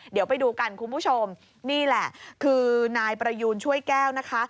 เดี๋ยวไปดูกันคุณผู้ชมนี่แหละคือนายประยูนช่วยแก้วนะคะ